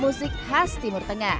musik khas timur tengah